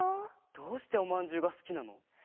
どうしておまんじゅうがすきなの？